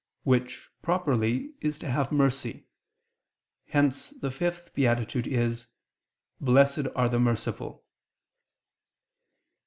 which, properly, is to have mercy: hence the fifth beatitude is: "Blessed are the merciful."